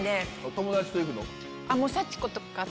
友達と行くの？